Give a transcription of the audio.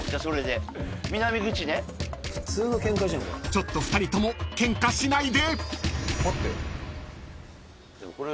［ちょっと２人ともケンカしないで］